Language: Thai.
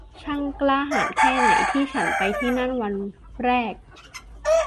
ช่างกล้าหาญแค่ไหน ที่ฉันไปที่นั่นวันแรก